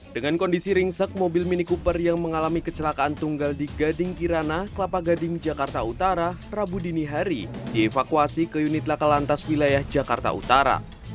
dengan kondisi ringsek mobil mini cooper yang mengalami kecelakaan tunggal di gading kirana kelapa gading jakarta utara rabu dini hari dievakuasi ke unit laka lantas wilayah jakarta utara